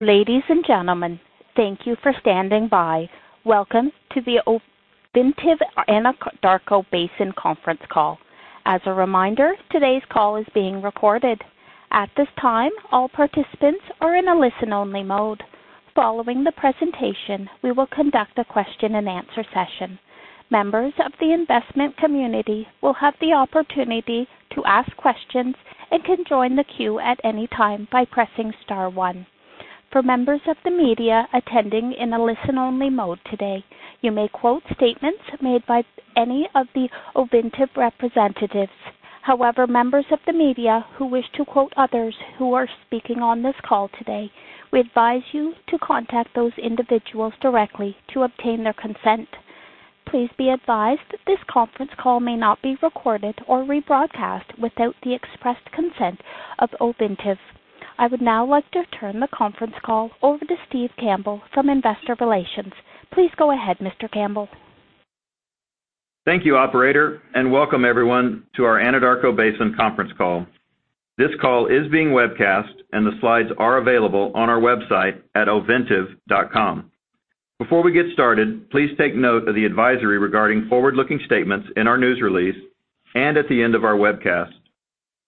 Ladies and gentlemen, thank you for standing by. Welcome to the Ovintiv Anadarko Basin conference call. As a reminder, today's call is being recorded. At this time, all participants are in a listen-only mode. Following the presentation, we will conduct a question and answer session. Members of the investment community will have the opportunity to ask questions and can join the queue at any time by pressing star one. For members of the media attending in a listen-only mode today, you may quote statements made by any of the Ovintiv representatives. However, members of the media who wish to quote others who are speaking on this call today, we advise you to contact those individuals directly to obtain their consent. Please be advised this conference call may not be recorded or rebroadcast without the expressed consent of Ovintiv. I would now like to turn the conference call over to Steve Campbell from investor relations. Please go ahead, Mr. Campbell. Thank you, operator, welcome everyone to our Anadarko Basin conference call. This call is being webcast, the slides are available on our website at ovintiv.com. Before we get started, please take note of the advisory regarding forward-looking statements in our news release and at the end of our webcast.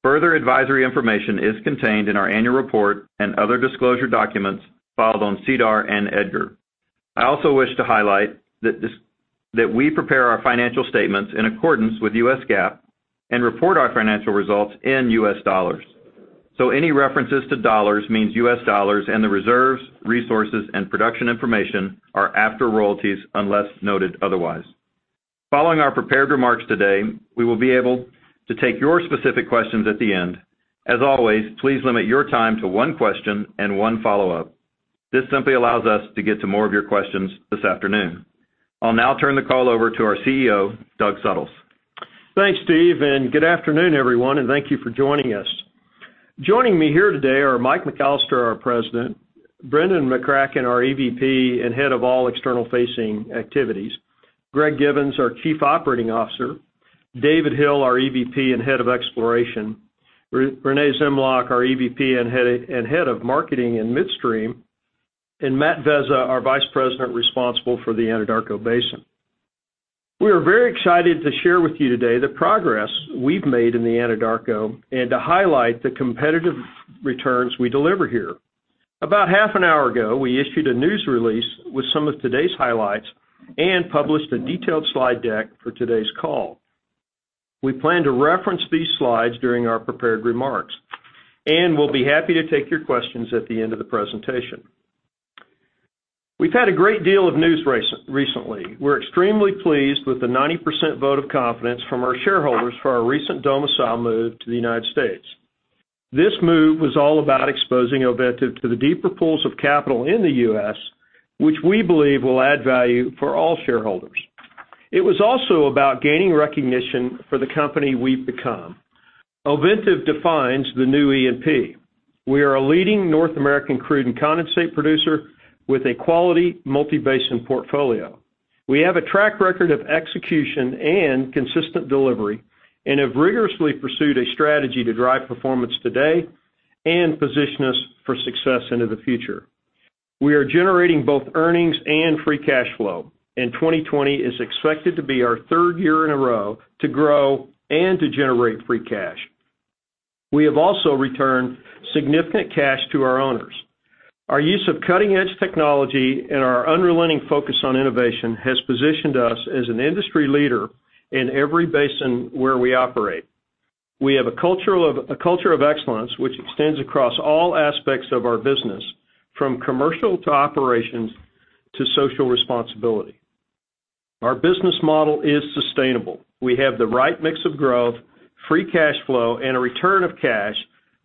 Further advisory information is contained in our annual report and other disclosure documents filed on SEDAR and EDGAR. I also wish to highlight that we prepare our financial statements in accordance with US GAAP, report our financial results in US dollars. Any references to dollars means US dollars, the reserves, resources, and production information are after royalties unless noted otherwise. Following our prepared remarks today, we will be able to take your specific questions at the end. As always, please limit your time to one question and one follow-up. This simply allows us to get to more of your questions this afternoon. I'll now turn the call over to our CEO, Doug Suttles. Thanks, Steve. Good afternoon, everyone. Thank you for joining us. Joining me here today are Mike McAllister, our President; Brendan McCracken, our EVP and head of all external-facing activities; Greg Givens, our Chief Operating Officer; David Hill, our EVP and head of exploration; Renee Zemljak, our EVP and head of marketing and midstream, and Matt Vezza, our Vice President responsible for the Anadarko Basin. We are very excited to share with you today the progress we've made in the Anadarko and to highlight the competitive returns we deliver here. About half an hour ago, we issued a news release with some of today's highlights and published a detailed slide deck for today's call. We plan to reference these slides during our prepared remarks. We'll be happy to take your questions at the end of the presentation. We've had a great deal of news recently. We're extremely pleased with the 90% vote of confidence from our shareholders for our recent domicile move to the United States. This move was all about exposing Ovintiv to the deeper pools of capital in the U.S., which we believe will add value for all shareholders. It was also about gaining recognition for the company we've become. Ovintiv defines the new E&P. We are a leading North American crude and condensate producer with a quality multi-basin portfolio. We have a track record of execution and consistent delivery and have rigorously pursued a strategy to drive performance today and position us for success into the future. We are generating both earnings and free cash flow, and 2020 is expected to be our third year in a row to grow and to generate free cash. We have also returned significant cash to our owners. Our use of cutting-edge technology and our unrelenting focus on innovation has positioned us as an industry leader in every basin where we operate. We have a culture of excellence which extends across all aspects of our business, from commercial to operations to social responsibility. Our business model is sustainable. We have the right mix of growth, free cash flow, and a return of cash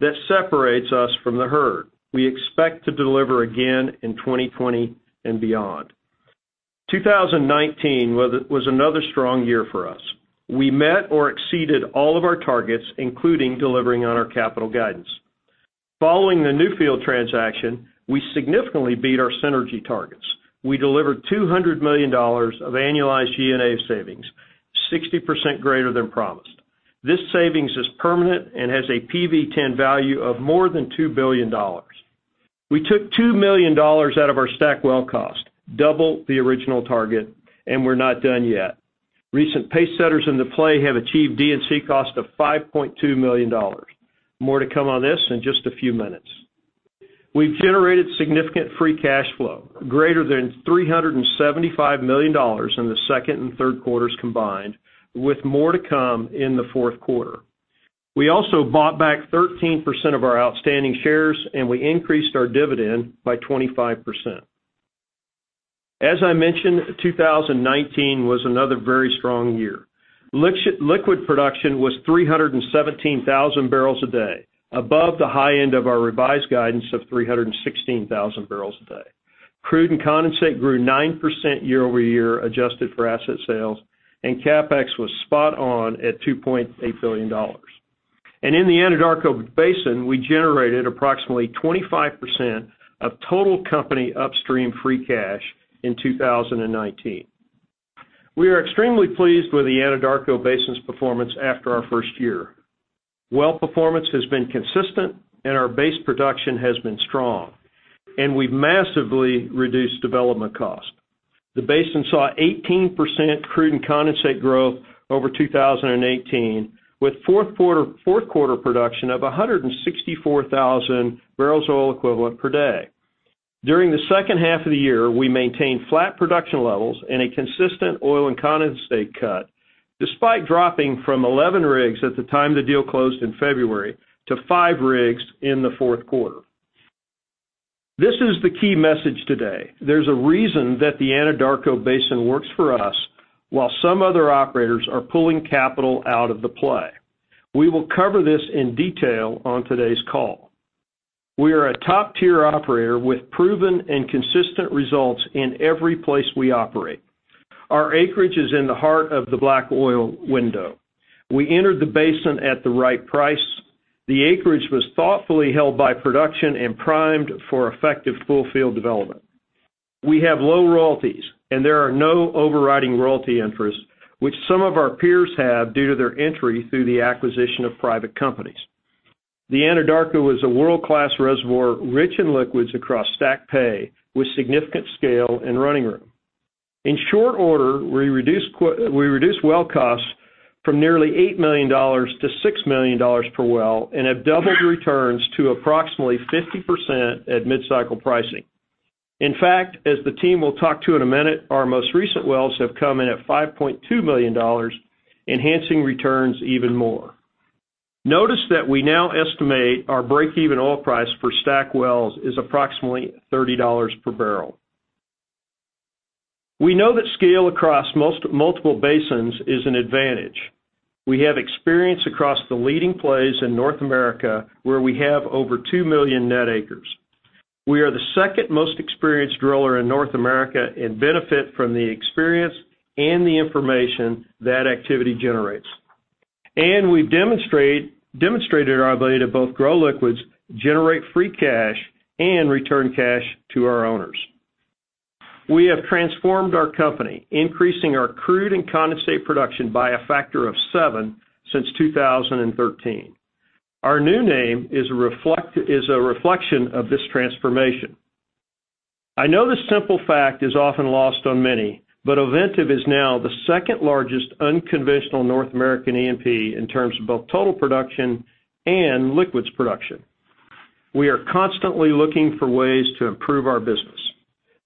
that separates us from the herd. We expect to deliver again in 2020 and beyond. 2019 was another strong year for us. We met or exceeded all of our targets, including delivering on our capital guidance. Following the Newfield transaction, we significantly beat our synergy targets. We delivered $200 million of annualized G&A savings, 60% greater than promised. This savings is permanent and has a PV10 value of more than $2 billion. We took $2 million out of our stack well cost, double the original target. We're not done yet. Recent pace setters in the play have achieved D&C cost of $5.2 million. More to come on this in just a few minutes. We've generated significant free cash flow, greater than $375 million in the second and Q3s combined, with more to come in the Q4. We also bought back 13% of our outstanding shares. We increased our dividend by 25%. As I mentioned, 2019 was another very strong year. Liquid production was 317,000 barrels a day, above the high end of our revised guidance of 316,000 barrels a day. Crude and condensate grew 9% year-over-year, adjusted for asset sales. CapEx was spot on at $2.8 billion. In the Anadarko Basin, we generated approximately 25% of total company upstream free cash in 2019. We are extremely pleased with the Anadarko Basin's performance after our first year. Well performance has been consistent, and our base production has been strong, and we've massively reduced development cost. The basin saw 18% crude and condensate growth over 2018, with Q4 production of 164,000 barrels of oil equivalent per day. During the H2 of the year, we maintained flat production levels and a consistent oil and condensate cut, despite dropping from 11 rigs at the time the deal closed in February to five rigs in the Q4. This is the key message today. There's a reason that the Anadarko Basin works for us, while some other operators are pulling capital out of the play. We will cover this in detail on today's call. We are a top-tier operator with proven and consistent results in every place we operate. Our acreage is in the heart of the black oil window. We entered the basin at the right price. The acreage was thoughtfully held by production and primed for effective full field development. We have low royalties, and there are no overriding royalty interests, which some of our peers have due to their entry through the acquisition of private companies. The Anadarko is a world-class reservoir rich in liquids across STACK pay, with significant scale and running room. In short order, we reduced well costs from nearly $8 million to $6 million per well and have doubled returns to approximately 50% at mid-cycle pricing. In fact, as the team will talk to in a minute, our most recent wells have come in at $5.2 million, enhancing returns even more. Notice that we now estimate our break-even oil price for STACK wells is approximately $30 per barrel. We know that scale across multiple basins is an advantage. We have experience across the leading plays in North America, where we have over two million net acres. We are the second most experienced driller in North America and benefit from the experience and the information that activity generates. We've demonstrated our ability to both grow liquids, generate free cash, and return cash to our owners. We have transformed our company, increasing our crude and condensate production by a factor of seven since 2013. Our new name is a reflection of this transformation. I know this simple fact is often lost on many, but Ovintiv is now the second-largest unconventional North American E&P in terms of both total production and liquids production. We are constantly looking for ways to improve our business.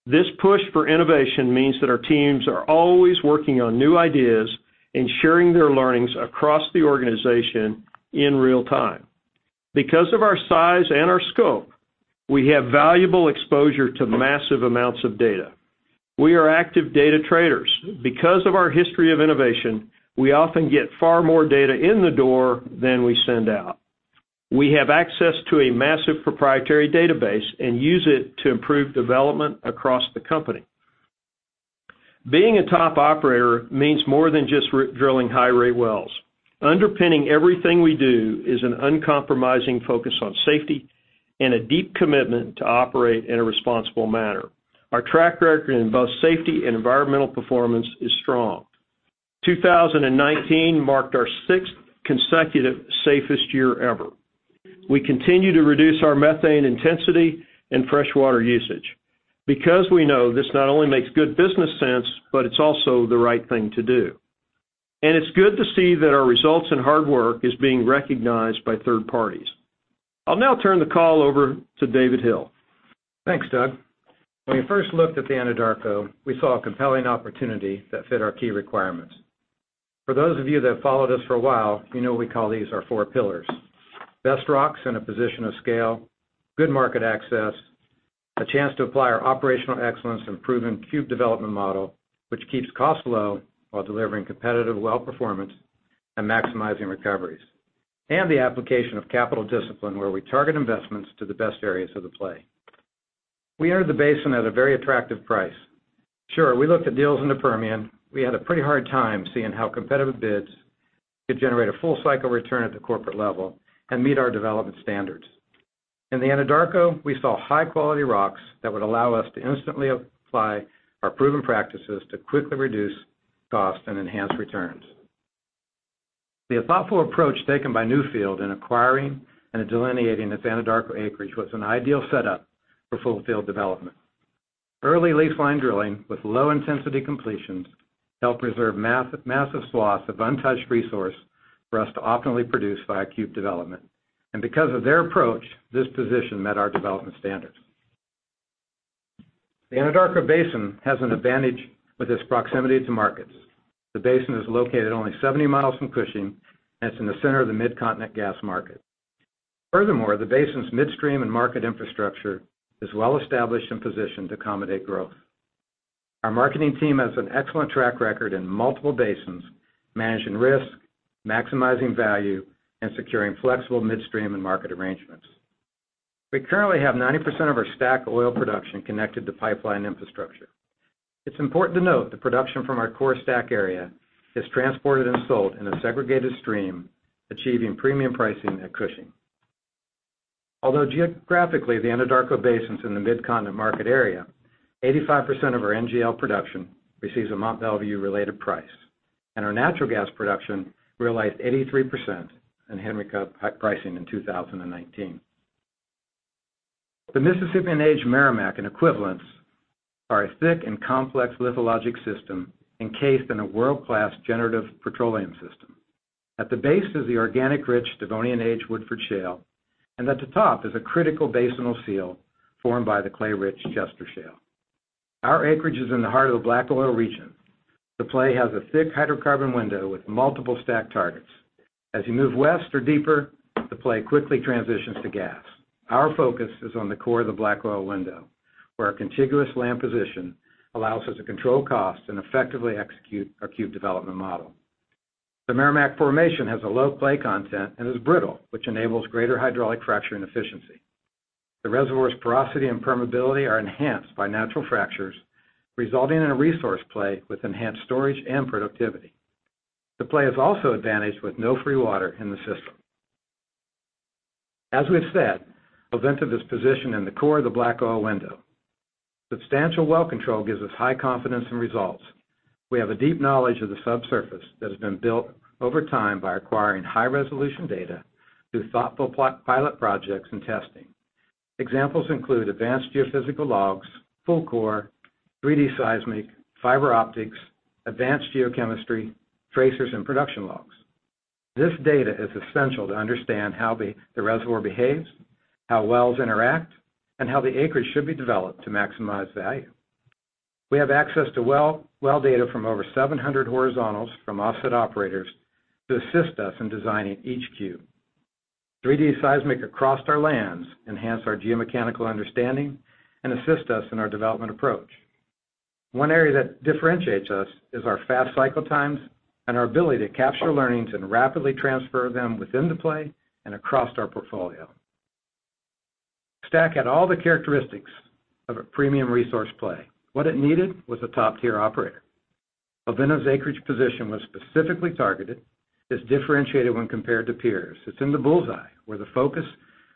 This push for innovation means that our teams are always working on new ideas and sharing their learnings across the organization in real time. Because of our size and our scope, we have valuable exposure to massive amounts of data. We are active data traders. Because of our history of innovation, we often get far more data in the door than we send out. We have access to a massive proprietary database and use it to improve development across the company. Being a top operator means more than just drilling high-rate wells. Underpinning everything we do is an uncompromising focus on safety and a deep commitment to operate in a responsible manner. Our track record in both safety and environmental performance is strong. 2019 marked our sixth consecutive safest year ever. We continue to reduce our methane intensity and freshwater usage. We know this not only makes good business sense, but it's also the right thing to do. It's good to see that our results and hard work is being recognized by third parties. I'll now turn the call over to David Hill. Thanks, Doug. When we first looked at the Anadarko, we saw a compelling opportunity that fit our key requirements. For those of you that have followed us for a while, you know we call these our four pillars. Best rocks in a position of scale, good market access, a chance to apply our operational excellence and proven cube development model, which keeps costs low while delivering competitive well performance and maximizing recoveries. The application of capital discipline where we target investments to the best areas of the play. We entered the basin at a very attractive price. Sure, we looked at deals in the Permian. We had a pretty hard time seeing how competitive bids could generate a full-cycle return at the corporate level and meet our development standards. In the Anadarko, we saw high-quality rocks that would allow us to instantly apply our proven practices to quickly reduce cost and enhance returns. The thoughtful approach taken by Newfield in acquiring and delineating its Anadarko acreage was an ideal setup for full field development. Early leaseline drilling with low-intensity completions helped preserve massive swaths of untouched resource for us to optimally produce via cube development. Because of their approach, this position met our development standards. The Anadarko Basin has an advantage with its proximity to markets. The basin is located only 70 miles from Cushing and it's in the center of the Mid-Continent gas market. Furthermore, the basin's midstream and market infrastructure is well-established and positioned to accommodate growth. Our marketing team has an excellent track record in multiple basins, managing risk, maximizing value, and securing flexible midstream and market arrangements. We currently have 90% of our STACK oil production connected to pipeline infrastructure. It's important to note that production from our core STACK area is transported and sold in a segregated stream, achieving premium pricing at Cushing. Although geographically the Anadarko Basin's in the Mid-Continent market area, 85% of our NGL production receives a Mont Belvieu related price, and our natural gas production realized 83% in Henry Hub pricing in 2019. The Mississippian age Meramec and equivalents are a thick and complex lithologic system encased in a world-class generative petroleum system. At the base is the organic-rich Devonian-age Woodford Shale, and at the top is a critical basinal seal formed by the clay-rich Chester Shale. Our acreage is in the heart of the black oil region. The play has a thick hydrocarbon window with multiple stack targets. As you move west or deeper, the play quickly transitions to gas. Our focus is on the core of the black oil window, where our contiguous land position allows us to control cost and effectively execute our cube development model. The Meramec formation has a low clay content and is brittle, which enables greater hydraulic fracturing efficiency. The reservoir's porosity and permeability are enhanced by natural fractures, resulting in a resource play with enhanced storage and productivity. The play is also advantaged with no free water in the system. As we've said, Ovintiv is positioned in the core of the black oil window. Substantial well control gives us high confidence in results. We have a deep knowledge of the subsurface that has been built over time by acquiring high-resolution data through thoughtful pilot projects and testing. Examples include advanced geophysical logs, full core, 3D seismic, fiber optics, advanced geochemistry, tracers, and production logs. This data is essential to understand how the reservoir behaves, how wells interact, and how the acreage should be developed to maximize value. We have access to well data from over 700 horizontals from offset operators to assist us in designing each cube. 3D seismic across our lands enhance our geomechanical understanding and assist us in our development approach. One area that differentiates us is our fast cycle times and our ability to capture learnings and rapidly transfer them within the play and across our portfolio. STACK had all the characteristics of a premium resource play. What it needed was a top-tier operator. Ovintiv's acreage position was specifically targeted, is differentiated when compared to peers. It's in the bullseye, where the focus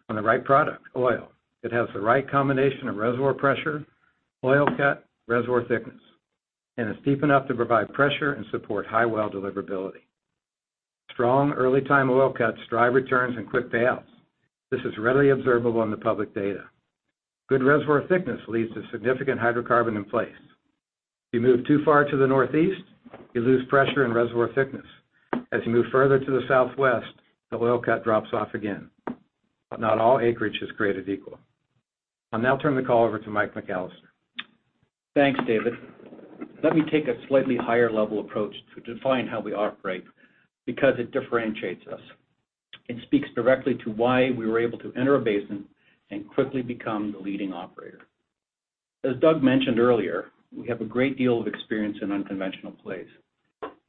on the right product, oil. It has the right combination of reservoir pressure, oil cut, reservoir thickness, and is deep enough to provide pressure and support high well deliverability. Strong early time oil cuts, dry returns, and quick payouts. This is readily observable in the public data. Good reservoir thickness leads to significant hydrocarbon in place. If you move too far to the northeast, you lose pressure and reservoir thickness. As you move further to the southwest, the oil cut drops off again. Not all acreage is created equal. I'll now turn the call over to Mike McAllister. Thanks, David. Let me take a slightly higher-level approach to define how we operate because it differentiates us and speaks directly to why we were able to enter a basin and quickly become the leading operator. As Doug mentioned earlier, we have a great deal of experience in unconventional plays.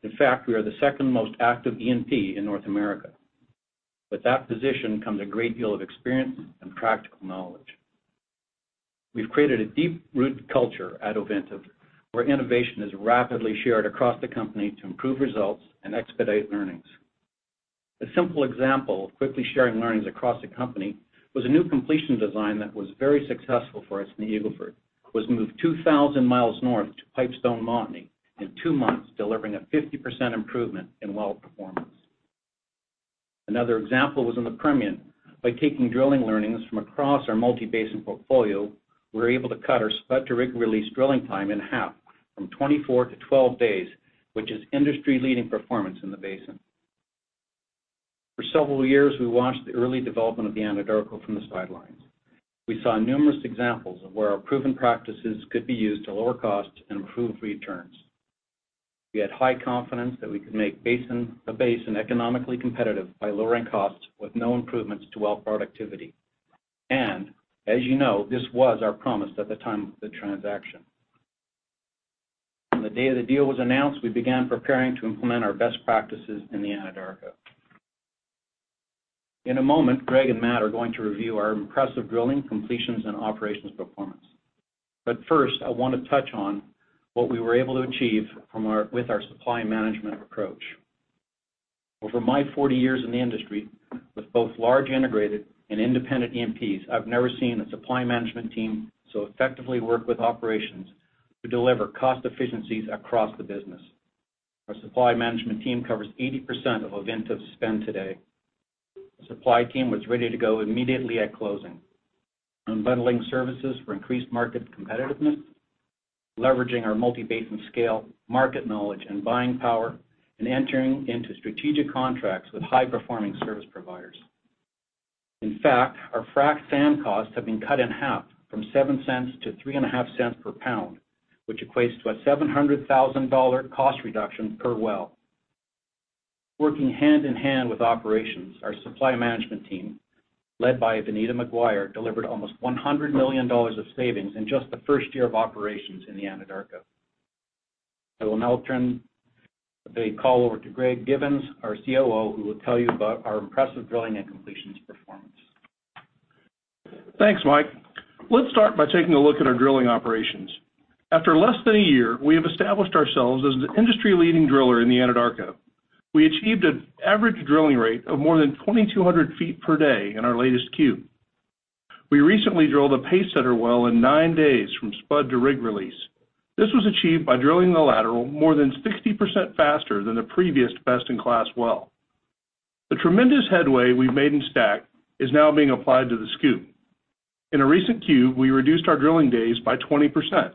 In fact, we are the second most active E&P in North America. With that position comes a great deal of experience and practical knowledge. We've created a deep-rooted culture at Ovintiv, where innovation is rapidly shared across the company to improve results and expedite learnings. A simple example of quickly sharing learnings across the company was a new completion design that was very successful for us in the Eagle Ford, was moved 2,000 miles north to Pipestone Montney in two months, delivering a 50% improvement in well performance. Another example was in the Permian. By taking drilling learnings from across our multi-basin portfolio, we were able to cut our spud-to-rig release drilling time in half from 24 to 12 days, which is industry-leading performance in the basin. For several years, we watched the early development of the Anadarko from the sidelines. We saw numerous examples of where our proven practices could be used to lower costs and improve returns. We had high confidence that we could make a basin economically competitive by lowering costs with no improvements to well productivity. As you know, this was our promise at the time of the transaction. From the day the deal was announced, we began preparing to implement our best practices in the Anadarko. In a moment, Greg and Matt are going to review our impressive drilling, completions, and operations performance. First, I want to touch on what we were able to achieve with our supply management approach. Over my 40 years in the industry, with both large integrated and independent E&Ps, I've never seen a supply management team so effectively work with operations to deliver cost efficiencies across the business. Our supply management team covers 80% of Ovintiv's spend today. The supply team was ready to go immediately at closing. Unbundling services for increased market competitiveness, leveraging our multi-basin scale, market knowledge, and buying power, and entering into strategic contracts with high-performing service providers. In fact, our frack sand costs have been cut in half from $0.07 to $0.035 per pound, which equates to a $700,000 cost reduction per well. Working hand-in-hand with operations, our supply management team, led by Vineeta Maguire, delivered almost $100 million of savings in just the first year of operations in the Anadarko. I will now turn the call over to Greg Givens, our COO, who will tell you about our impressive drilling and completions performance. Thanks, Mike. Let's start by taking a look at our drilling operations. After less than a year, we have established ourselves as the industry-leading driller in the Anadarko. We achieved an average drilling rate of more than 2,200 feet per day in our latest cube. We recently drilled a pace setter well in nine days from spud to rig release. This was achieved by drilling the lateral more than 60% faster than the previous best-in-class well. The tremendous headway we've made in STACK is now being applied to the SCOOP. In a recent cube, we reduced our drilling days by 20%.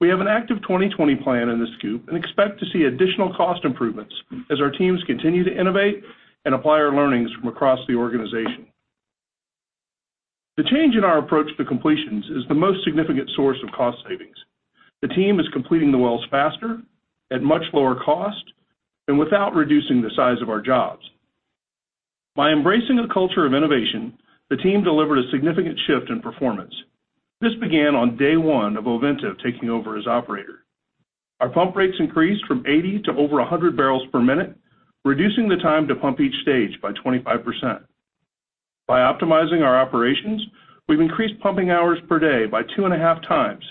We have an active 2020 plan in the SCOOP and expect to see additional cost improvements as our teams continue to innovate and apply our learnings from across the organization. The change in our approach to completions is the most significant source of cost savings. The team is completing the wells faster, at much lower cost, and without reducing the size of our jobs. By embracing a culture of innovation, the team delivered a significant shift in performance. This began on day one of Ovintiv taking over as operator. Our pump rates increased from 80 to over 100 barrels per minute, reducing the time to pump each stage by 25%. By optimizing our operations, we've increased pumping hours per day by two and a half times,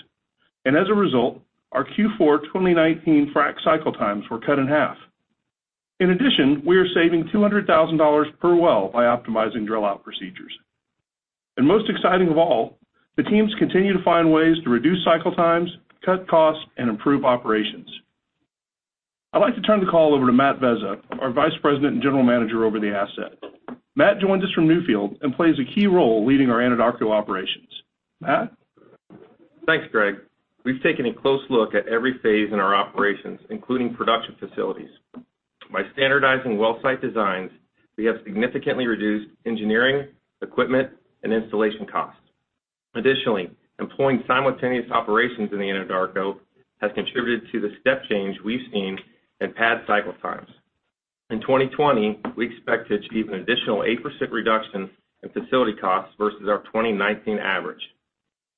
and as a result, our Q4 2019 frac cycle times were cut in half. In addition, we are saving $200,000 per well by optimizing drill out procedures. Most exciting of all, the teams continue to find ways to reduce cycle times, cut costs, and improve operations. I'd like to turn the call over to Matthew Vezza, our Vice President and General Manager over the asset. Matt joins us from Newfield and plays a key role leading our Anadarko operations. Matt? Thanks, Greg. We've taken a close look at every phase in our operations, including production facilities. By standardizing well site designs, we have significantly reduced engineering, equipment, and installation costs. Additionally, employing simultaneous operations in the Anadarko has contributed to the step change we've seen in pad cycle times. In 2020, we expect to achieve an additional 8% reduction in facility costs versus our 2019 average.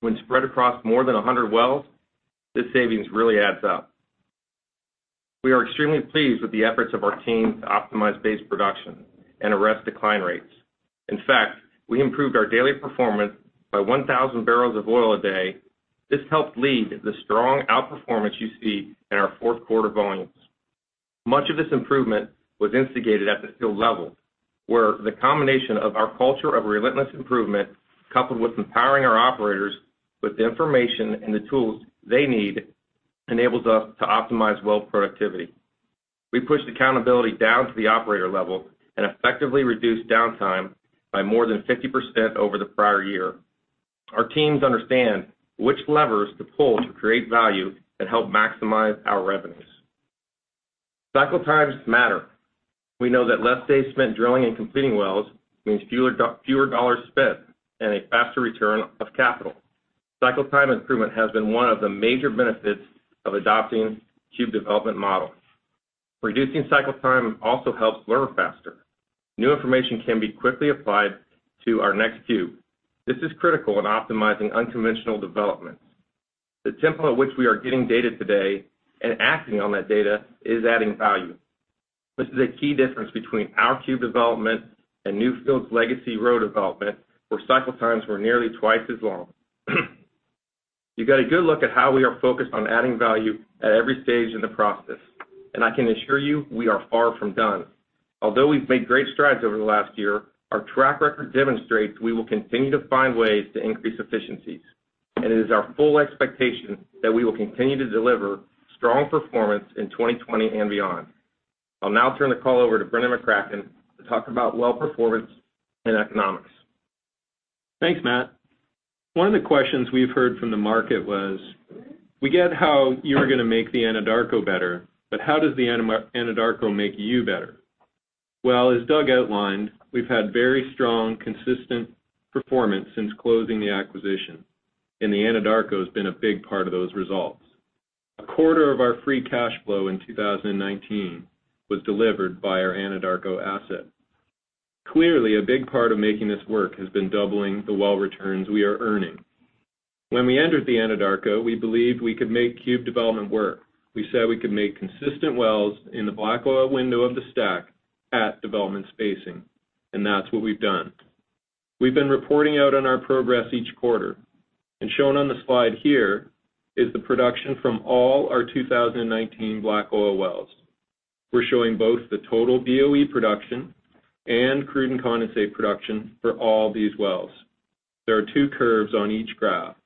When spread across more than 100 wells, this savings really adds up. We are extremely pleased with the efforts of our team to optimize base production and arrest decline rates. In fact, we improved our daily performance by 1,000 barrels of oil a day. This helped lead the strong outperformance you see in our Q4 volumes. Much of this improvement was instigated at the field level, where the combination of our culture of relentless improvement, coupled with empowering our operators with the information and the tools they need, enables us to optimize well productivity. We pushed accountability down to the operator level and effectively reduced downtime by more than 50% over the prior year. Our teams understand which levers to pull to create value and help maximize our revenues. Cycle times matter. We know that less days spent drilling and completing wells means fewer dollars spent and a faster return of capital. Cycle time improvement has been one of the major benefits of adopting cube development models. Reducing cycle time also helps learn faster. New information can be quickly applied to our next cube. This is critical in optimizing unconventional developments. The tempo at which we are getting data today and acting on that data is adding value. This is a key difference between our cube development and Newfield's legacy row development, where cycle times were nearly twice as long. You get a good look at how we are focused on adding value at every stage in the process, and I can assure you, we are far from done. Although we've made great strides over the last year, our track record demonstrates we will continue to find ways to increase efficiencies, and it is our full expectation that we will continue to deliver strong performance in 2020 and beyond. I'll now turn the call over to Brendan McCracken to talk about well performance and economics. Thanks, Matt. One of the questions we've heard from the market was, "We get how you're going to make the Anadarko better, but how does the Anadarko make you better?" Well, as Doug outlined, we've had very strong, consistent performance since closing the acquisition, and the Anadarko has been a big part of those results. A quarter of our free cash flow in 2019 was delivered by our Anadarko asset. Clearly, a big part of making this work has been doubling the well returns we are earning. When we entered the Anadarko, we believed we could make cube development work. We said we could make consistent wells in the black oil window of the STACK at development spacing. That's what we've done. We've been reporting out on our progress each quarter. Shown on the slide here is the production from all our 2019 black oil wells. We're showing both the total BOE production and crude and condensate production for all these wells. There are two curves on each graph.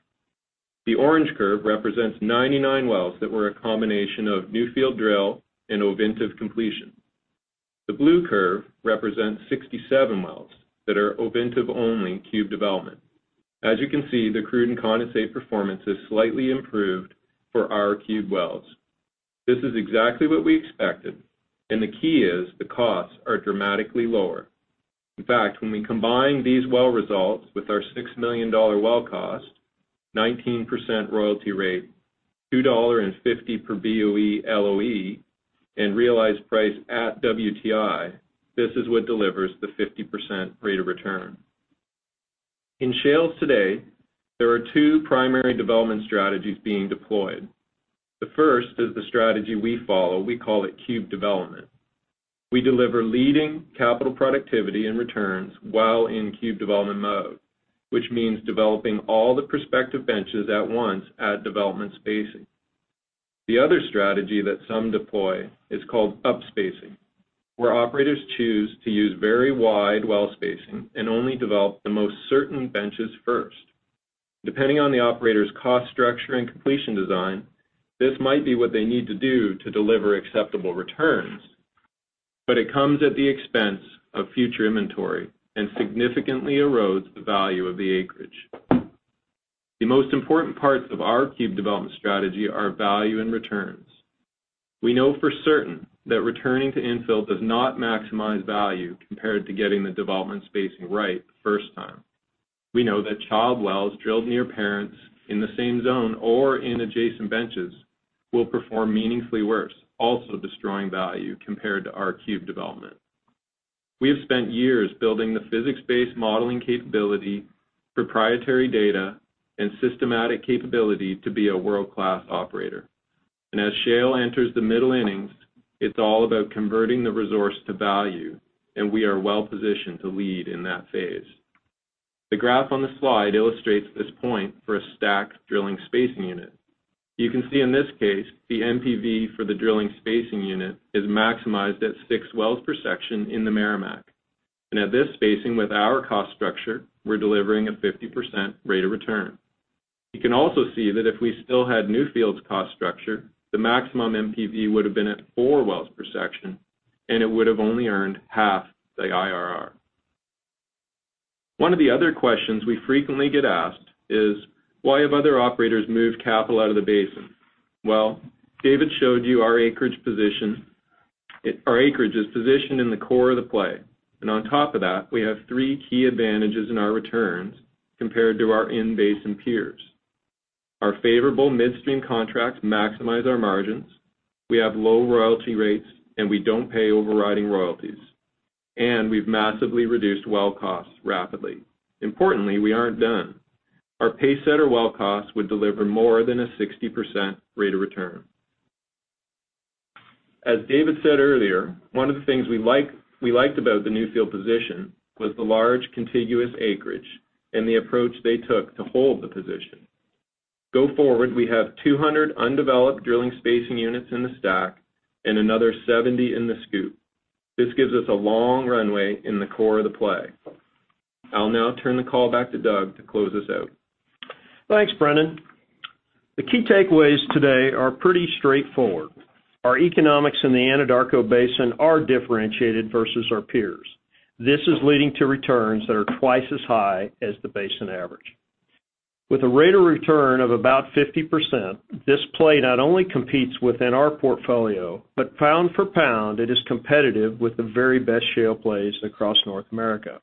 The orange curve represents 99 wells that were a combination of Newfield drill and Ovintiv completion. The blue curve represents 67 wells that are Ovintiv-only cube development. As you can see, the crude and condensate performance is slightly improved for our cubed wells. This is exactly what we expected. The key is the costs are dramatically lower. In fact, when we combine these well results with our $6 million well cost, 19% royalty rate, $2.50 per BOE LOE, and realized price at WTI, this is what delivers the 50% rate of return. In shales today, there are two primary development strategies being deployed. The first is the strategy we follow. We call it cube development. We deliver leading capital productivity and returns while in cube development mode, which means developing all the prospective benches at once at development spacing. The other strategy that some deploy is called upspacing, where operators choose to use very wide well spacing and only develop the most certain benches first. Depending on the operator's cost structure and completion design, this might be what they need to do to deliver acceptable returns. It comes at the expense of future inventory and significantly erodes the value of the acreage. The most important parts of our cube development strategy are value and returns. We know for certain that returning to infill does not maximize value compared to getting the development spacing right the first time. We know that child wells drilled near parents in the same zone or in adjacent benches will perform meaningfully worse, also destroying value compared to our cube development. We have spent years building the physics-based modeling capability, proprietary data, and systematic capability to be a world-class operator. As shale enters the middle innings, it's all about converting the resource to value, and we are well positioned to lead in that phase. The graph on the slide illustrates this point for a stacked drilling spacing unit. You can see in this case, the NPV for the drilling spacing unit is maximized at six wells per section in the Meramec. At this spacing, with our cost structure, we're delivering a 50% rate of return. You can also see that if we still had Newfield's cost structure, the maximum NPV would have been at four wells per section, and it would have only earned half the IRR. One of the other questions we frequently get asked is: Why have other operators moved capital out of the basin? David showed you our acreage is positioned in the core of the play. On top of that, we have three key advantages in our returns compared to our in-basin peers. Our favorable midstream contracts maximize our margins. We have low royalty rates, and we don't pay overriding royalties. We've massively reduced well costs rapidly. Importantly, we aren't done. Our pacesetter well costs would deliver more than a 60% rate of return. As David said earlier, one of the things we liked about the Newfield position was the large contiguous acreage and the approach they took to hold the position. Go forward, we have 200 undeveloped drilling spacing units in the stack and another 70 in the scoop. This gives us a long runway in the core of the play. I'll now turn the call back to Doug to close this out. Thanks, Brendan. The key takeaways today are pretty straightforward. Our economics in the Anadarko Basin are differentiated versus our peers. This is leading to returns that are twice as high as the basin average. With a rate of return of about 50%, this play not only competes within our portfolio, but pound for pound, it is competitive with the very best shale plays across North America.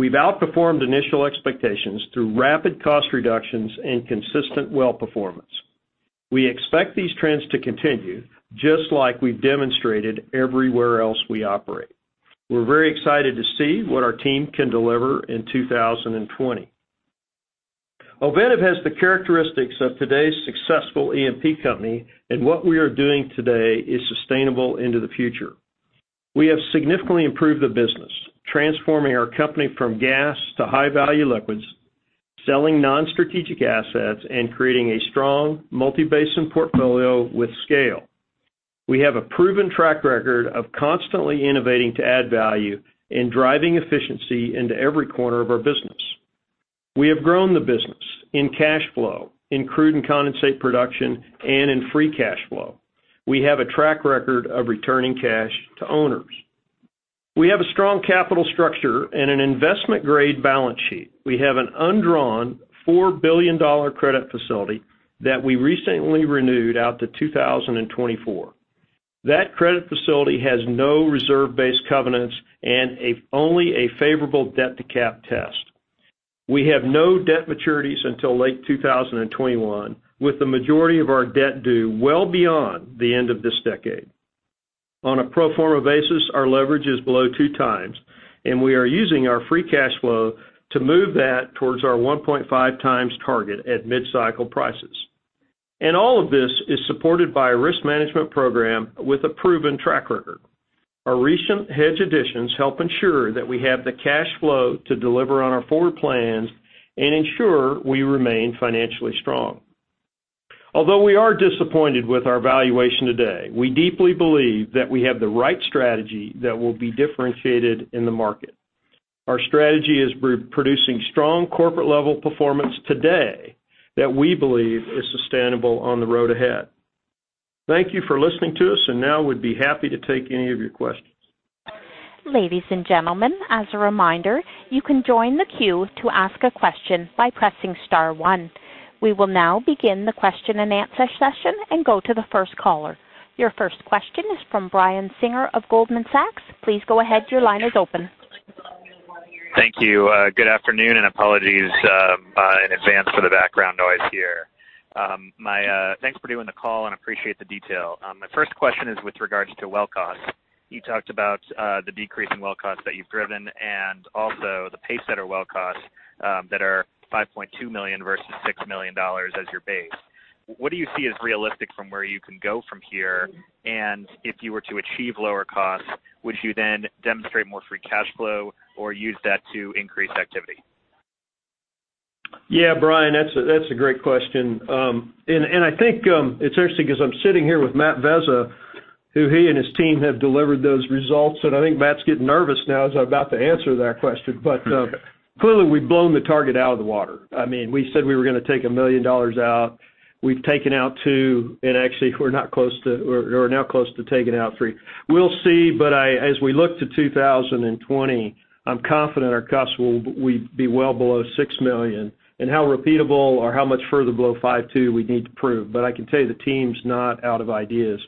We've outperformed initial expectations through rapid cost reductions and consistent well performance. We expect these trends to continue, just like we've demonstrated everywhere else we operate. We're very excited to see what our team can deliver in 2020. Ovintiv has the characteristics of today's successful E&P company, and what we are doing today is sustainable into the future. We have significantly improved the business, transforming our company from gas to high-value liquids, selling non-strategic assets, and creating a strong multi-basin portfolio with scale. We have a proven track record of constantly innovating to add value and driving efficiency into every corner of our business. We have grown the business in cash flow, in crude and condensate production, and in free cash flow. We have a track record of returning cash to owners. We have a strong capital structure and an investment-grade balance sheet. We have an undrawn $4 billion credit facility that we recently renewed out to 2024. That credit facility has no reserve-based covenants and only a favorable debt-to-cap test. We have no debt maturities until late 2021, with the majority of our debt due well beyond the end of this decade. On a pro forma basis, our leverage is below two times, and we are using our free cash flow to move that towards our 1.5 times target at mid-cycle prices. All of this is supported by a risk management program with a proven track record. Our recent hedge additions help ensure that we have the cash flow to deliver on our forward plans and ensure we remain financially strong. Although we are disappointed with our valuation today, we deeply believe that we have the right strategy that will be differentiated in the market. Our strategy is producing strong corporate-level performance today that we believe is sustainable on the road ahead. Thank you for listening to us, and now we'd be happy to take any of your questions. Ladies and gentlemen, as a reminder, you can join the queue to ask a question by pressing star one. We will now begin the question and answer session and go to the first caller. Your first question is from Brian Singer of Goldman Sachs. Please go ahead, your line is open. Thank you. Good afternoon, and apologies in advance for the background noise here. Thanks for doing the call, and appreciate the detail. My first question is with regards to well costs. You talked about the decrease in well costs that you've driven and also the pacesetter well costs that are $5.2 million versus $6 million as your base. What do you see as realistic from where you can go from here? If you were to achieve lower costs, would you then demonstrate more free cash flow or use that to increase activity? Yeah, Brian, that's a great question. I think it's interesting because I'm sitting here with Matt Vezza, who he and his team have delivered those results. I think Matt's getting nervous now as I'm about to answer that question. Clearly we've blown the target out of the water. We said we were going to take $1 million out. We've taken out two, and actually, we're now close to taking out three. We'll see, but as we look to 2020, I'm confident our costs will be well below $6 million, and how repeatable or how much further below 5,2 we need to prove. I can tell you, the team's not out of ideas.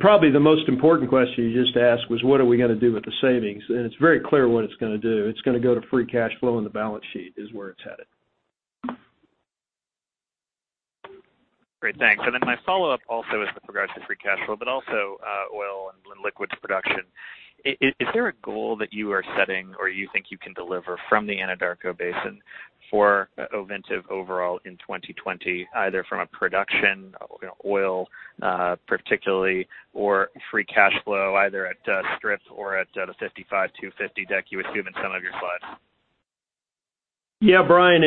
Probably the most important question you just asked was, what are we going to do with the savings? It's very clear what it's going to do. It's going to go to free cash flow on the balance sheet, is where it's headed. Great, thanks. My follow-up also is with regards to free cash flow, but also oil and liquids production. Is there a goal that you are setting or you think you can deliver from the Anadarko Basin for Ovintiv overall in 2020, either from a production oil, particularly, or free cash flow, either at strip or at a 55-50 deck you assume in some of your slides? Brian,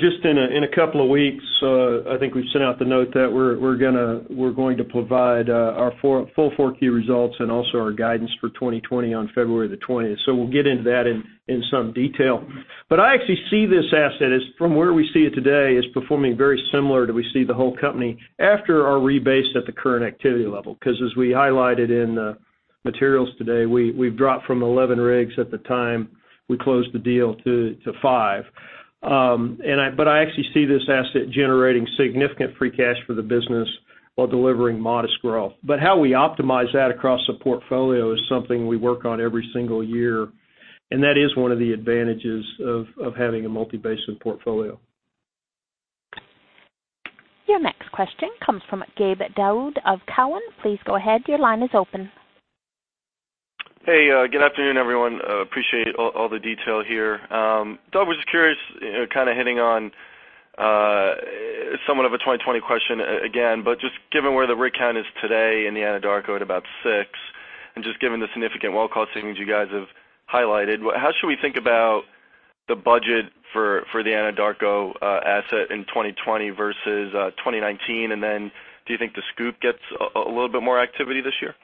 just in a couple of weeks, I think we've sent out the note that we're going to provide our full 4Q results and also our guidance for 20 February 2020. We'll get into that in some detail. I actually see this asset, from where we see it today, as performing very similar to we see the whole company after our rebase at the current activity level. Because as we highlighted in the materials today, we've dropped from 11 rigs at the time we closed the deal to five. I actually see this asset generating significant free cash for the business while delivering modest growth. How we optimize that across the portfolio is something we work on every single year, and that is one of the advantages of having a multi-basin portfolio. Your next question comes from Gabe Daoud of TD Cowen. Please go ahead. Your line is open. Hey, good afternoon, everyone. Appreciate all the detail here. Doug, was just curious, kind of hitting on somewhat of a 2020 question again, but just given where the rig count is today in the Anadarko at about six, and just given the significant well cost savings you guys have highlighted, how should we think about the budget for the Anadarko asset in 2020 versus 2019? Do you think the SCOOP gets a little bit more activity this year?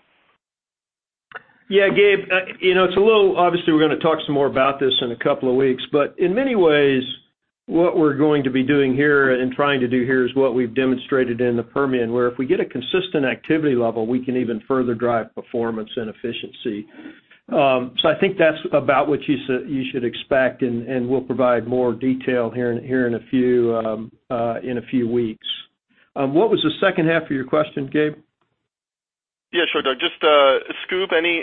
Yeah, Gabe. Obviously, we're going to talk some more about this in a couple of weeks, but in many ways, what we're going to be doing here and trying to do here is what we've demonstrated in the Permian, where if we get a consistent activity level, we can even further drive performance and efficiency. I think that's about what you should expect, and we'll provide more detail here in a few weeks. What was the H2 of your question, Gabe? Yeah, sure, Doug. Just SCOOP, any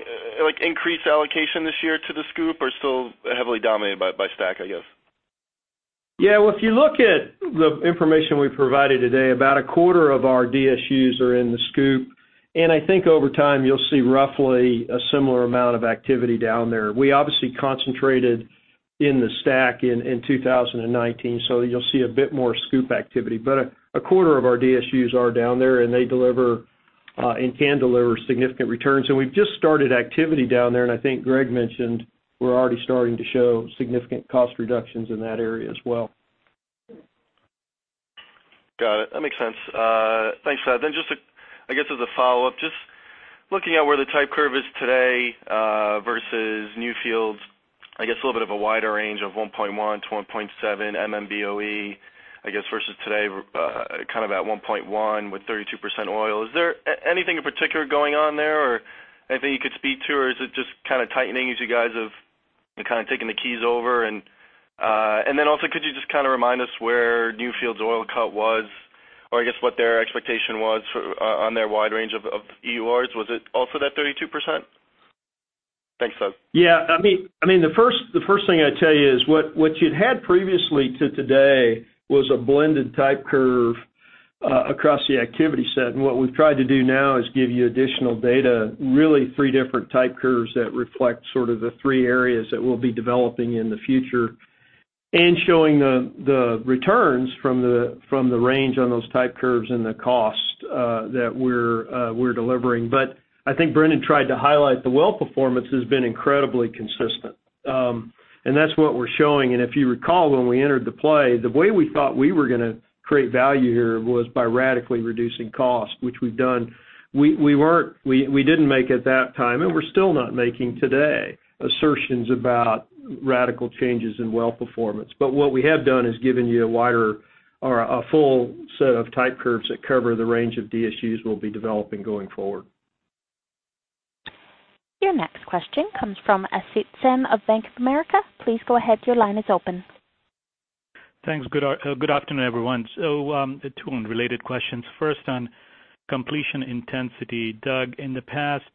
increased allocation this year to the SCOOP, or still heavily dominated by STACK, I guess? Well, if you look at the information we provided today, about a quarter of our DSUs are in the SCOOP, and I think over time, you'll see roughly a similar amount of activity down there. We obviously concentrated in the STACK in 2019. You'll see a bit more SCOOP activity. A quarter of our DSUs are down there, and they deliver and can deliver significant returns. We've just started activity down there, and I think Greg mentioned we're already starting to show significant cost reductions in that area as well. Got it. That makes sense. Thanks for that. Just, I guess, as a follow-up, just looking at where the type curve is today versus Newfield's, I guess a little bit of a wider range of 1.1 to 1.7 MMBOE, I guess versus today, kind of at 1.1 with 32% oil. Is there anything in particular going on there or anything you could speak to, or is it just kind of tightening as you guys have been taking the keys over? Also, could you just remind us where Newfield's oil cut was, or I guess what their expectation was on their wide range of EURs? Was it also that 32%? Thanks, Doug. Yeah. The first thing I'd tell you is what you'd had previously to today was a blended type curve across the activity set. What we've tried to do now is give you additional data, really three different type curves that reflect sort of the three areas that we'll be developing in the future and showing the returns from the range on those type curves and the cost that we're delivering. I think Brendan tried to highlight the well performance has been incredibly consistent, and that's what we're showing. If you recall, when we entered the play, the way we thought we were going to create value here was by radically reducing cost, which we've done. We didn't make at that time, and we're still not making today assertions about radical changes in well performance. What we have done is given you a wider or a full set of type curves that cover the range of DSUs we'll be developing going forward. Your next question comes from Asit Sen of Bank of America. Please go ahead, your line is open. Thanks. Good afternoon, everyone. Two unrelated questions. First, on completion intensity. Doug, in the past,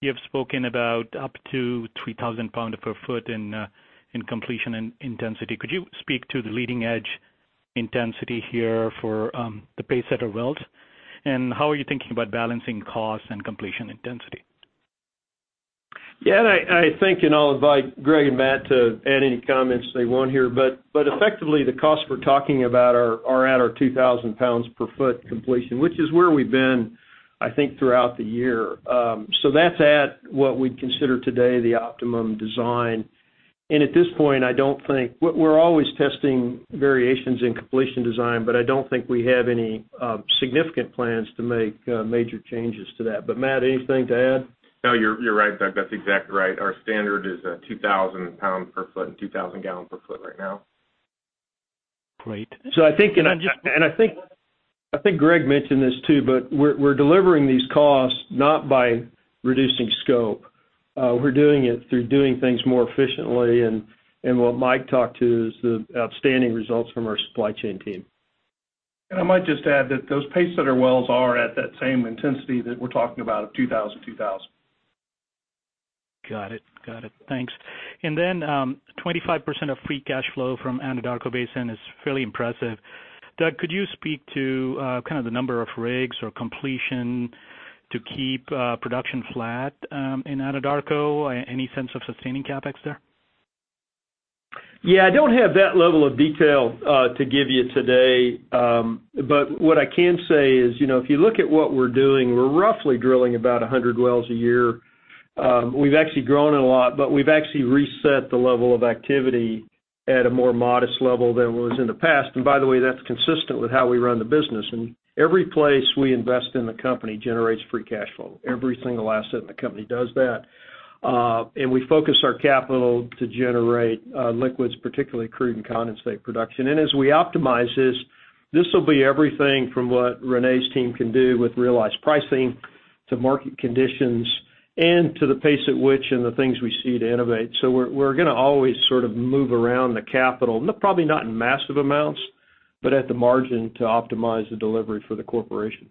you have spoken about up to 3,000 pound per foot in completion intensity. Could you speak to the leading-edge intensity here for the Pacesetter wells? How are you thinking about balancing cost and completion intensity? Yeah. I think, and I'll invite Greg and Matt to add any comments they want here, but effectively, the costs we're talking about are at our 2,000 pounds per foot completion, which is where we've been, I think, throughout the year. That's at what we'd consider today the optimum design. At this point, we're always testing variations in completion design, but I don't think we have any significant plans to make major changes to that. Matt, anything to add? No, you're right, Doug. That's exactly right. Our standard is 2,000 pounds per foot and 2,000 gallons per foot right now. Great. I think, and I think Greg mentioned this too, but we're delivering these costs not by reducing scope. We're doing it through doing things more efficiently. What Mike talked to is the outstanding results from our supply chain team. I might just add that those pace setter wells are at that same intensity that we're talking about of 2,000/2,000. Got it. Thanks. 25% of free cash flow from Anadarko Basin is fairly impressive. Doug, could you speak to kind of the number of rigs or completion to keep production flat in Anadarko? Any sense of sustaining CapEx there? Yeah, I don't have that level of detail to give you today. What I can say is, if you look at what we're doing, we're roughly drilling about 100 wells a year. We've actually grown it a lot, we've actually reset the level of activity at a more modest level than it was in the past. By the way, that's consistent with how we run the business. Every place we invest in the company generates free cash flow. Every single asset in the company does that. We focus our capital to generate liquids, particularly crude and condensate production. As we optimize this will be everything from what Renee's team can do with realized pricing to market conditions and to the pace at which and the things we see to innovate. We're going to always sort of move around the capital, probably not in massive amounts, but at the margin to optimize the delivery for the corporation.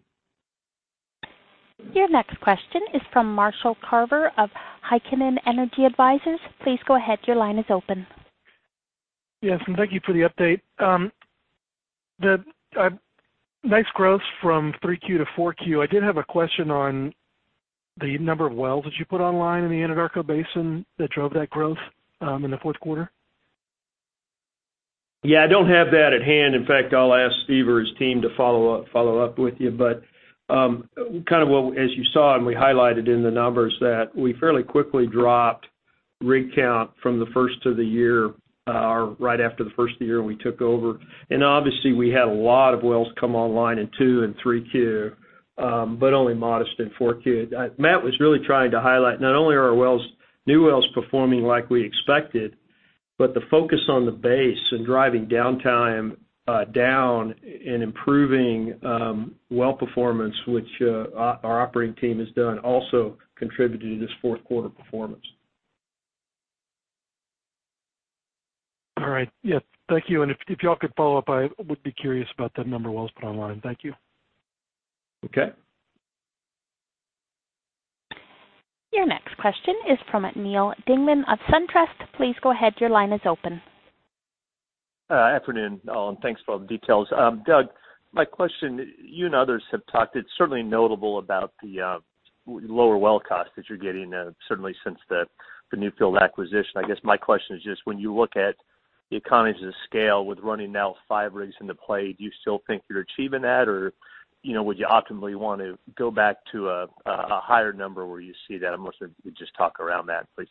Your next question is from Marshall Carver of Heikkinen Energy Advisors. Please go ahead. Your line is open. Yes, thank you for the update. Doug, nice growth from 3Q to 4Q. I did have a question on the number of wells that you put online in the Anadarko Basin that drove that growth in the Q4. Yeah, I don't have that at hand. In fact, I'll ask Steve or his team to follow up with you. As you saw and we highlighted in the numbers, that we fairly quickly dropped rig count from the first of the year, or right after the first of the year we took over. Obviously we had a lot of wells come online in 2Q and 3Q, but only modest in 4Q. Matt was really trying to highlight not only are our new wells performing like we expected, but the focus on the base and driving downtime down and improving well performance, which our operating team has done, also contributed to this Q4 performance. All right. Yeah, thank you. If you all could follow up, I would be curious about the number of wells put online. Thank you. Okay. Your next question is from Neal Dingmann of SunTrust. Please go ahead. Your line is open. Afternoon, all. Thanks for all the details. Doug, my question, you and others have talked, it's certainly notable about the lower well cost that you're getting, certainly since the Newfield acquisition. I guess my question is just when you look at the economies of scale with running now five rigs in the play, do you still think you're achieving that? Would you optimally want to go back to a higher number where you see that? Just talk around that, please.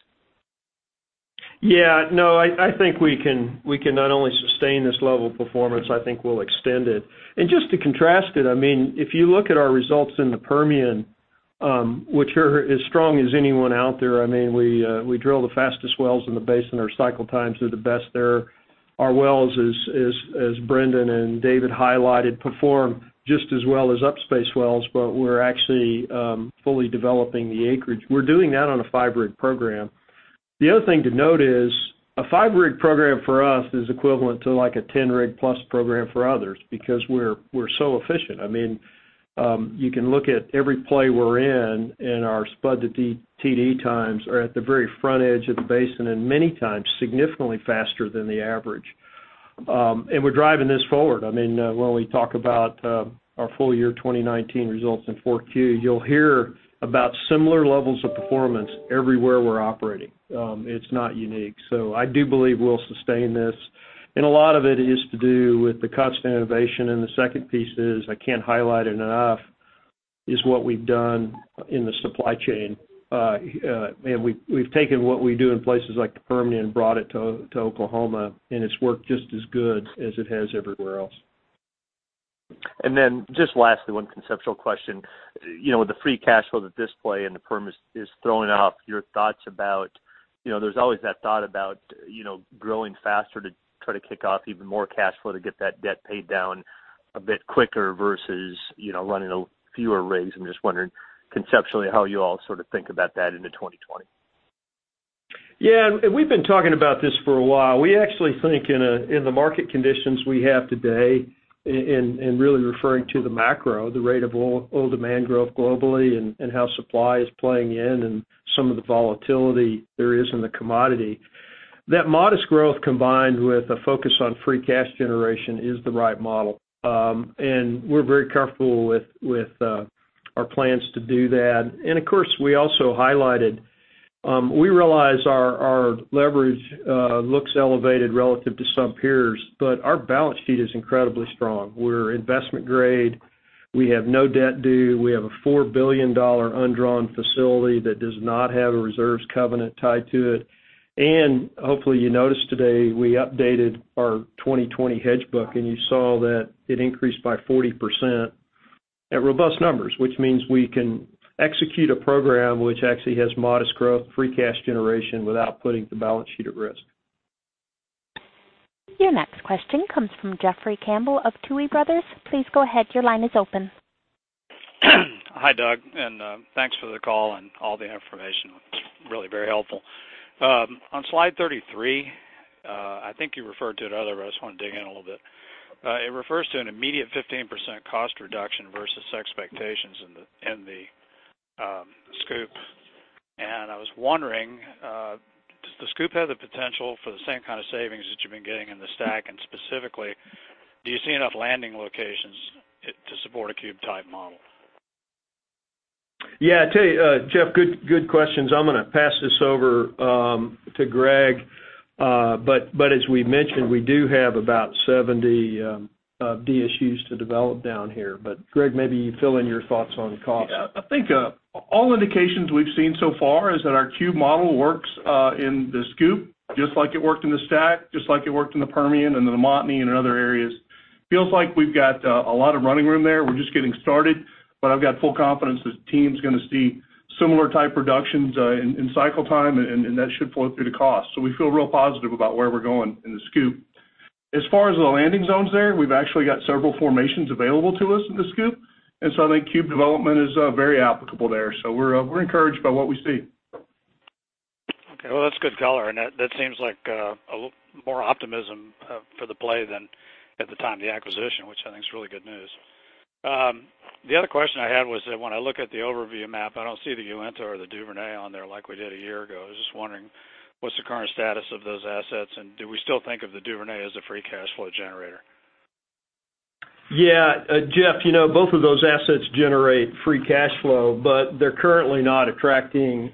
Yeah. No, I think we can not only sustain this level of performance, I think we'll extend it. Just to contrast it, if you look at our results in the Permian, which are as strong as anyone out there. We drill the fastest wells in the basin. Our cycle times are the best there. Our wells, as Brendan and David highlighted, perform just as well as upspace wells, but we're actually fully developing the acreage. We're doing that on a five-rig program. The other thing to note is a five-rig program for us is equivalent to like a 10-rig plus program for others because we're so efficient. You can look at every play we're in, and our spud to TD times are at the very front edge of the basin, and many times significantly faster than the average. We're driving this forward. When we talk about our full year 2019 results in 4Q, you'll hear about similar levels of performance everywhere we're operating. It's not unique. I do believe we'll sustain this. A lot of it is to do with the constant innovation, and the second piece is, I can't highlight it enough, is what we've done in the supply chain. We've taken what we do in places like the Permian, brought it to Oklahoma, and it's worked just as good as it has everywhere else. Just lastly, one conceptual question. With the free cash flow that this play in the Perm is throwing off, there's always that thought about growing faster to try to kick off even more cash flow to get that debt paid down a bit quicker versus running fewer rigs. I'm just wondering conceptually how you all sort of think about that into 2020. Yeah. We've been talking about this for a while. We actually think in the market conditions we have today, really referring to the macro, the rate of oil demand growth globally and how supply is playing in and some of the volatility there is in the commodity. That modest growth combined with a focus on free cash generation is the right model. We're very careful with our plans to do that. Of course, we also highlighted, we realize our leverage looks elevated relative to some peers, but our balance sheet is incredibly strong. We're investment grade. We have no debt due. We have a $4 billion undrawn facility that does not have a reserves covenant tied to it. Hopefully you noticed today we updated our 2020 hedge book, and you saw that it increased by 40% at robust numbers, which means we can execute a program which actually has modest growth, free cash generation without putting the balance sheet at risk. Your next question comes from Jeffrey Campbell of Tuohy Brothers. Please go ahead. Your line is open. Hi, Doug, and, thanks for the call and all the information. It's really very helpful. On slide 33, I think you referred to it earlier, but I just want to dig in a little bit. It refers to an immediate 15% cost reduction versus expectations in the SCOOP. I was wondering, does the SCOOP have the potential for the same kind of savings that you've been getting in the STACK? Specifically, do you see enough landing locations to support a cube-type model? Yeah. I tell you, Jeff, good questions. I'm going to pass this over to Greg. As we mentioned, we do have about 70 DSUs to develop down here. Greg, maybe you fill in your thoughts on costs. Yeah. I think, all indications we've seen so far is that our cube model works, in the Scoop, just like it worked in the STACK, just like it worked in the Permian and the Montney and other areas. Feels like we've got a lot of running room there. We're just getting started, but I've got full confidence this team's gonna see similar type reductions in cycle time, and that should flow through to cost. We feel real positive about where we're going in the Scoop. As far as the landing zones there, we've actually got several formations available to us in the Scoop. I think cube development is very applicable there. We're encouraged by what we see. Okay. Well, that's good color, and that seems like, a more optimism for the play than at the time of the acquisition, which I think is really good news. The other question I had was that when I look at the overview map, I don't see the Uinta or the Duvernay on there like we did a year ago. I was just wondering what's the current status of those assets, and do we still think of the Duvernay as a free cash flow generator? Yeah. Jeff, both of those assets generate free cash flow, they're currently not attracting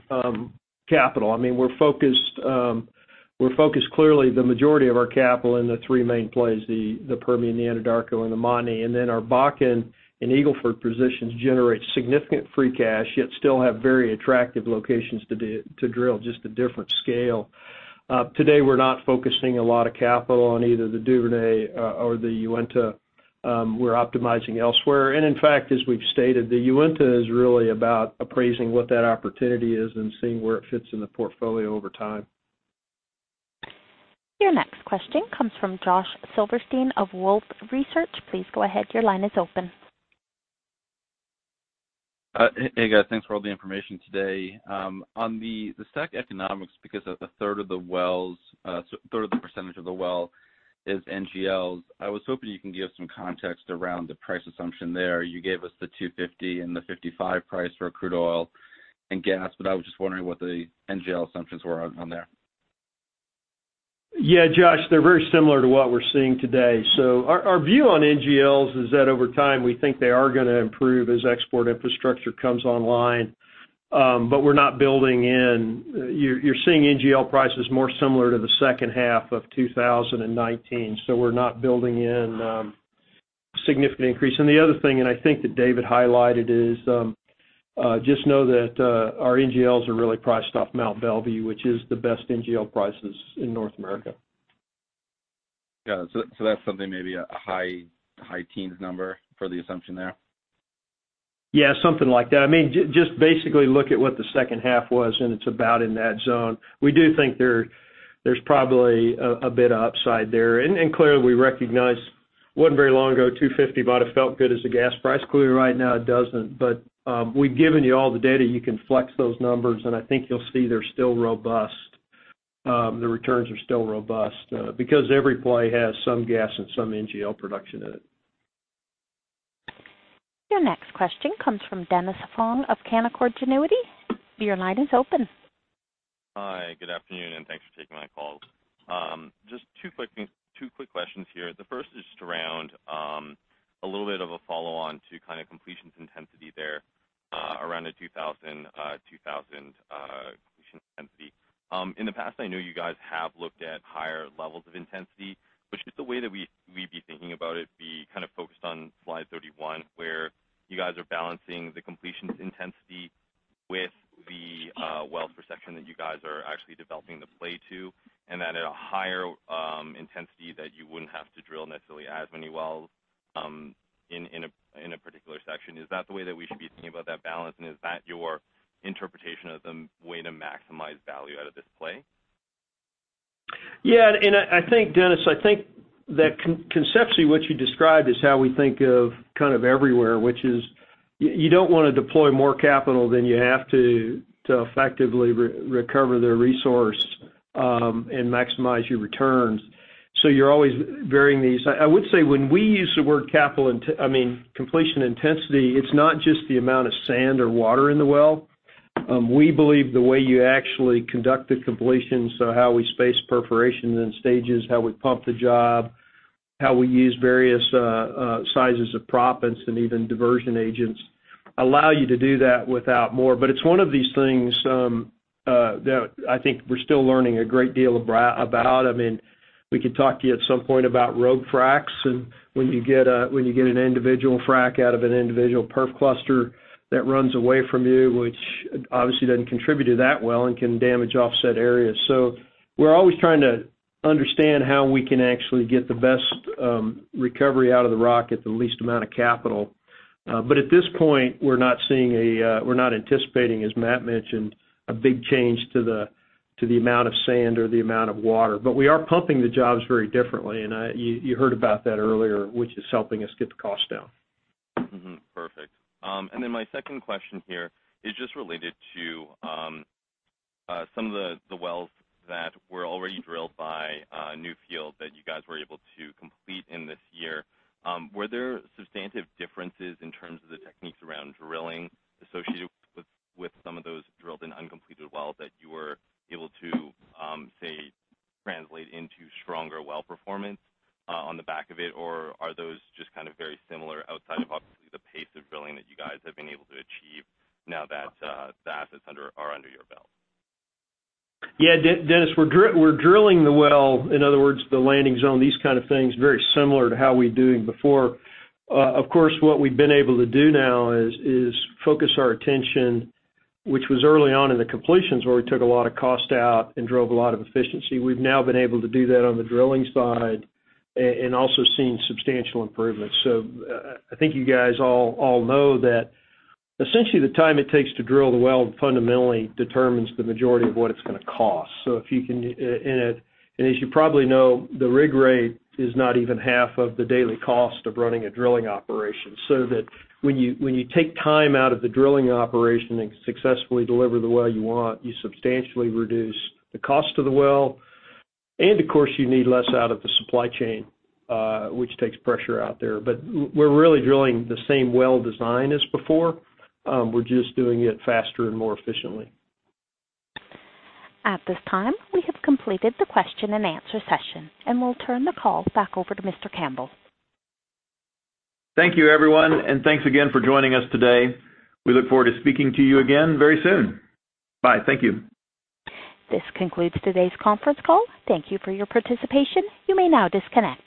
capital. We're focused clearly the majority of our capital in the three main plays, the Permian, the Anadarko, and the Montney, then our Bakken and Eagle Ford positions generate significant free cash, yet still have very attractive locations to drill, just a different scale. Today, we're not focusing a lot of capital on either the Duvernay or the Uinta. We're optimizing elsewhere. In fact, as we've stated, the Uinta is really about appraising what that opportunity is and seeing where it fits in the portfolio over time. Your next question comes from Josh Silverstein of Wolfe Research. Please go ahead. Your line is open. Hey, guys. Thanks for all the information today. On the STACK economics, because a third of the percentage of the well is NGLs, I was hoping you can give some context around the price assumption there. You gave us the $250 and the $55 price for crude oil and gas. I was just wondering what the NGL assumptions were on there. Yeah, Josh, they're very similar to what we're seeing today. Our view on NGLs is that over time, we think they are going to improve as export infrastructure comes online. You're seeing NGL prices more similar to the H2 of 2019. We're not building in significant increase. The other thing, and I think that David highlighted is, just know that our NGLs are really priced off Mont Belvieu, which is the best NGL prices in North America. Got it. That's something maybe a high teens number for the assumption there? Yeah, something like that. Just basically look at what the H2 was, and it's about in that zone. We do think there's probably a bit of upside there. Clearly, we recognize it wasn't very long ago $2.50 might have felt good as a gas price. Clearly, right now it doesn't. We've given you all the data. You can flex those numbers, and I think you'll see they're still robust. The returns are still robust, because every play has some gas and some NGL production in it. Your next question comes from Dennis Fong of Canaccord Genuity. Your line is open. Hi, good afternoon, and thanks for taking my call. Just two quick questions here. The first is just around, a little bit of a follow-on to kind of completions intensity there, around the 2,000 completion intensity. In the past, I know you guys have looked at higher levels of intensity, which is the way that we'd be thinking about it be kind of focused on slide 31, where you guys are balancing the completions intensity with the well per section that you guys are actually developing the play to, and that at a higher intensity that you wouldn't have to drill necessarily as many wells in a particular section. Is that the way that we should be thinking about that balance, and is that your interpretation of the way to maximize value out of this play? Yeah. I think, Dennis, I think that conceptually, what you described is how we think of kind of everywhere, which is you don't want to deploy more capital than you have to effectively recover the resource, and maximize your returns. You're always varying these. I would say when we use the word completion intensity, it's not just the amount of sand or water in the well. We believe the way you actually conduct the completion, so how we space perforations and stages, how we pump the job, how we use various sizes of proppants and even diversion agents, allow you to do that without more. It's one of these things that I think we're still learning a great deal about. We could talk to you at some point about rogue fracs, when you get an individual frac out of an individual perf cluster that runs away from you, which obviously doesn't contribute to that well and can damage offset areas. We're always trying to understand how we can actually get the best recovery out of the rock at the least amount of capital. At this point, we're not anticipating, as Matt mentioned, a big change to the amount of sand or the amount of water. We are pumping the jobs very differently, and you heard about that earlier, which is helping us get the cost down. Perfect. My second question here is just related to some of the wells that were already drilled by Newfield that you guys were able to complete in this year. Were there substantive differences in terms of the techniques around drilling associated with some of those drilled and uncompleted wells that you were able to, say, translate into stronger well performance on the back of it? Or are those just very similar outside of obviously the pace of drilling that you guys have been able to achieve now that the assets are under your belt? Dennis, we're drilling the well, in other words, the landing zone, these kind of things, very similar to how we were doing before. What we've been able to do now is focus our attention, which was early on in the completions, where we took a lot of cost out and drove a lot of efficiency. We've now been able to do that on the drilling side and also seen substantial improvements. I think you guys all know that essentially the time it takes to drill the well fundamentally determines the majority of what it's going to cost. As you probably know, the rig rate is not even half of the daily cost of running a drilling operation, so that when you take time out of the drilling operation and successfully deliver the well you want, you substantially reduce the cost of the well, and of course, you need less out of the supply chain, which takes pressure out there. We're really drilling the same well design as before. We're just doing it faster and more efficiently. At this time, we have completed the question-and-answer session, and we'll turn the call back over to Mr. Campbell. Thank you, everyone, and thanks again for joining us today. We look forward to speaking to you again very soon. Bye. Thank you. This concludes today's conference call. Thank you for your participation. You may now disconnect.